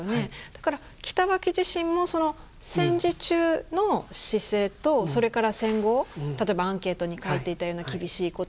だから北脇自身もその戦時中の姿勢とそれから戦後例えばアンケートに書いていたような厳しい言葉。